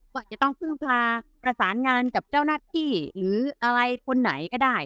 ค่ะจะต้องพื้นพาการสารงานกับเจ้านักที่หรืออะไรคนไหนก็ได้